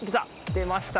出ました